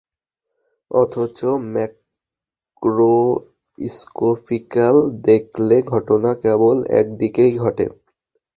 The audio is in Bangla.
অথচ ম্যাক্রোস্কপিক্যালি দেখলে ঘটনা কেবল একদিকেই ঘটে।